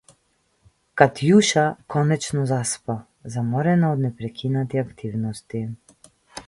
Катјуша конечно заспа, заморена од непрекинати активности.